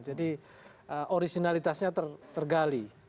jadi originalitasnya tergali